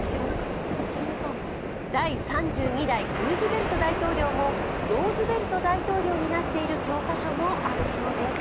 第３２代ルーズベルト大統領もローズヴェルト大統領になっている教科書もあるそうです。